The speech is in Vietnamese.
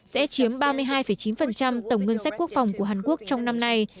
sẽ chiếm ba mươi hai chín tổng ngân sách quốc phòng của hàn quốc trong năm nay